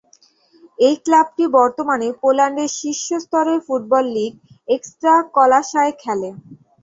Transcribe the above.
এই ক্লাবটি বর্তমানে পোল্যান্ডের শীর্ষ স্তরের ফুটবল লীগ একস্ত্রাকলাসায় খেলে।